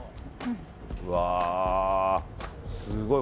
うわあ、すごい。